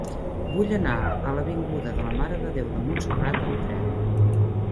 Vull anar a l'avinguda de la Mare de Déu de Montserrat amb tren.